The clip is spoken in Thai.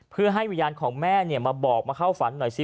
เพื่อให้วิญญาณของแม่มาบอกมาเข้าฝันหน่อยสิ